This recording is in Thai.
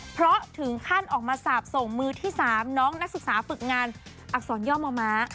เพราะถึงขั้นออกมาสาบส่งมือที่๓น้องนักศึกษาฝึกงานอักษรย่อมอมม้า